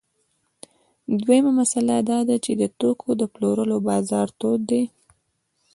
دویمه مسئله دا ده چې د توکو د پلورلو بازار تود دی